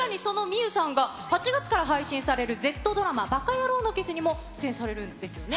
さらにその望結さんが８月から配信されるＺドラマばかやろうのキスにも、出演されるんですよね。